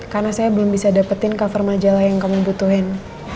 karena saya belum bisa dapetin cover majalah yang kamu butuhin